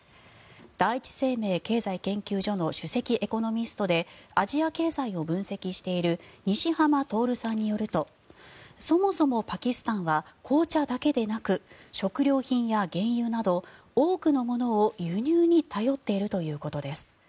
第一生命経済研究所の首席エコノミストでアジア経済を分析している西濱徹さんによるとそもそもパキスタンは紅茶だけでなく食料品や原油など多くのものを輸入に頼っているということです。